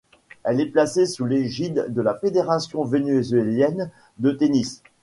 Elle est placée sous l'égide de la Fédération vénézuélienne de tennis.